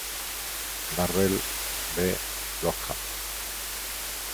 Darrell B. Lockhart.